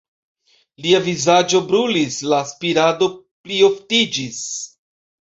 Lia vizaĝo brulis, la spirado plioftiĝis.